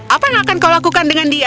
apa yang akan kau lakukan dengan dia